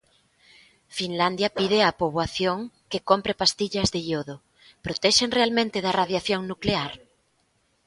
Finlandia pide á poboación que compre pastillas de iodo: protexen realmente da radiación nuclear?